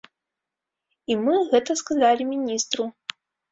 І мы гэта сказалі міністру.